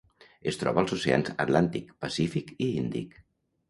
Es troba als oceans Atlàntic, Pacífic i Índic.